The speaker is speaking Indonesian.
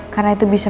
karena itu bisa